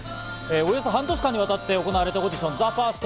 およそ半年間にわたって行われたオーディション、ＴＨＥＦＩＲＳＴ。